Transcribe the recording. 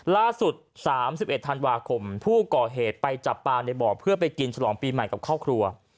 ล่าสุด๓๑ธันวาคมผู้ก่อเหตุไปจับปลาในบ่อเพื่อไปกินฉลองปีใหม่กับครอบครัว